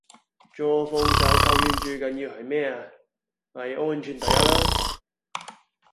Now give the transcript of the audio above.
做防守球員最緊要係咩呀?咪安全第一囉